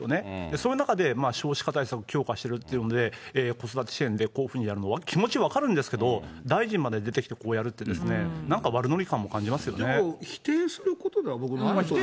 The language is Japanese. その中で、少子化対策強化してるっていうので、子育て支援でこういうふうにやるの気持ち分かるんですけど、大臣まで出てきてこうやるっていうのですね、でも否定することでは、僕は。